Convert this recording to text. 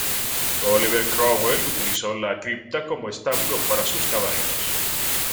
Oliver Cromwell utilizó la cripta como establo para sus caballos.